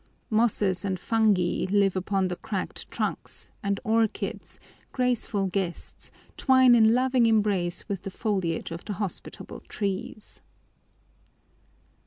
Mosses and fungi live upon the cracked trunks, and orchids graceful guests twine in loving embrace with the foliage of the hospitable trees.